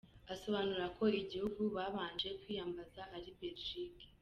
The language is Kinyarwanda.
Asobanura ko igihugu babanje kwiyambaza ari Belgique.